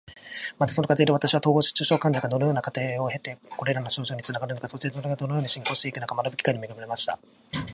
また、その過程で私は、統合失調症患者がどのような過程を経てこれらの症状につながるのか、そしてそれがどのように進行していくのかを学ぶ機会にも恵まれました。